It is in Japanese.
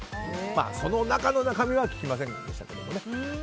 その中の中身は聞きませんでしたけどね。